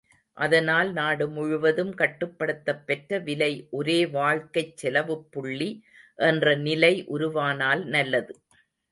அதனால் நாடு முழுவதும் கட்டுப்படுத்தப் பெற்ற விலை ஒரே வாழ்க்கைச் செலவுப்புள்ளி என்ற நிலை உருவானால் நல்லது.